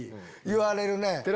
言われるね。